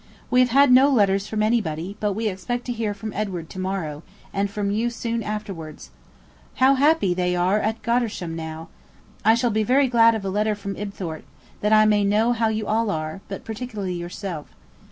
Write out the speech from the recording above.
We have had no letters from anybody, but we expect to hear from Edward to morrow, and from you soon afterwards. How happy they are at Godmersham now! I shall be very glad of a letter from Ibthorp, that I may know how you all are, but particularly yourself.